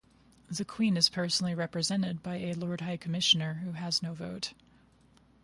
The Queen is personally represented by a Lord High Commissioner, who has no vote.